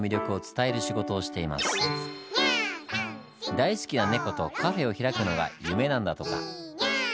大好きな猫とカフェを開くのが夢なんだとか。